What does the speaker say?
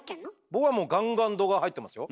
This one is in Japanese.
僕はもうガンガン度が入ってますよ。